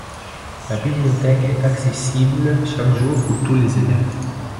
La bibliothèque est accessible chaque jour pour tous les élèves.